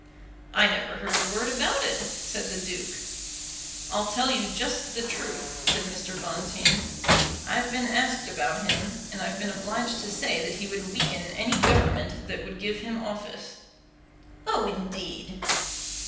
"I never heard a word about it," said the Duke. "I'll tell you just the truth," said Mr. Bonteen. "I've been asked about him, and I've been obliged to say that he would weaken any Government that would give him office." "Oh, indeed!"